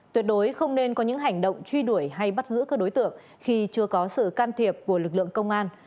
tuyệt đối không nên có những hành động truy đuổi hay bắt giữ các đối tượng khi chưa có sự can thiệp của lực lượng công an